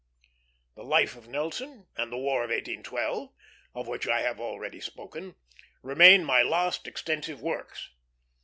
The Life of Nelson, and The War of 1812, of which I have already spoken, remain my last extensive works.